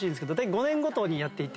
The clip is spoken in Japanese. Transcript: ５年ごとにやっていて。